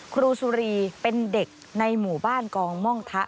ครูสุรีเป็นเด็กในหมู่บ้านกองม่องทะ